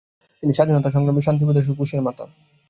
তিনি স্বাধীনতা সংগ্রামী শান্তিসুধা ঘোষের মাতা।